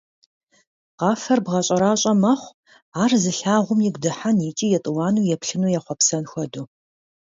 Къафэр бгъэщӀэращӀэ мэхъу, ар зылъагъум игу дыхьэн икӀи етӀуанэу еплъыну ехъуэпсэн хуэдэу.